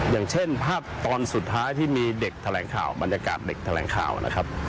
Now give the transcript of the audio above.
อย่างเช่นภาพตอนสุดท้ายที่มีเด็กแถลงข่าวบรรยากาศเด็กแถลงข่าวนะครับ